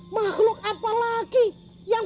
makhluk apalagi yang